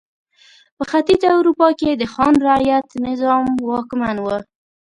په ختیځه اروپا کې د خان رعیت نظام واکمن و.